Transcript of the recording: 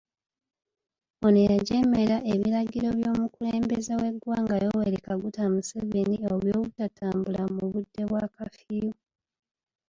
Ono yajeemera ebiragiro by'omukulembeze w'eggwanga Yoweri Kaguta Museveni eky'obutatambula mu budde bwa kaafiyu.